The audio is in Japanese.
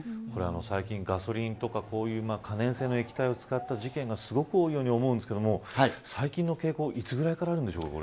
最近、ガソリンとかこういう可燃性の液体を使った事件がすごく多いように思うんですが最近の傾向はいつぐらいからなんでしょうか。